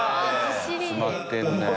詰まってんねぇ。